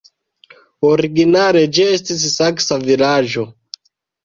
Originale ĝi estis saksa vilaĝo.